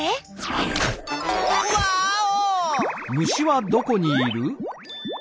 ワーオ！